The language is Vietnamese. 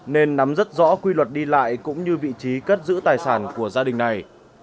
nên nắm rất rõ quy luật đi lại cũng như vị trí cất giữ tài sản của gia đình này